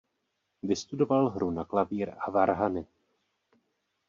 Vystudoval hru na klavír a varhany.